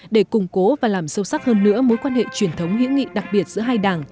để củng cố và làm sâu sắc hơn nữa mối quan hệ truyền thống hữu nghị đặc biệt giữa hai đảng